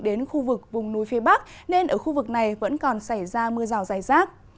đến khu vực vùng núi phía bắc nên ở khu vực này vẫn còn xảy ra mưa rào dài rác